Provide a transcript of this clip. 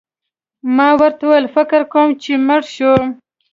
ما ورته وویل: فکر کوم چي مړ شو.